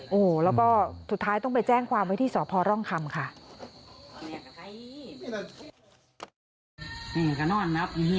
โอ้โหแล้วก็สุดท้ายต้องไปแจ้งความไว้ที่สพร่องคำค่ะ